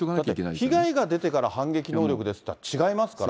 被害が出てから反撃能力ですっていうのは違いますから。